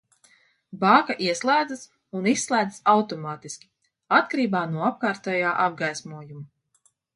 Bāka ieslēdzas un izslēdzas automātiski, atkarībā no apkārtējā apgaismojuma.